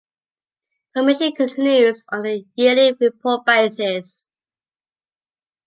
Permission continues on a yearly report basis.